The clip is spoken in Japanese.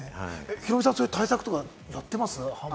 ヒロミさん、そういう対策とかやってます？